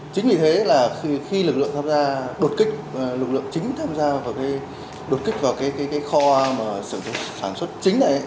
chính vì thế là khi lực lượng tham gia đột kích lực lượng chính tham gia đột kích vào cái kho sửa sản xuất chính này